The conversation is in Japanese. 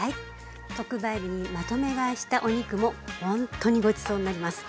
特売日にまとめ買いしたお肉もほんとにごちそうになります。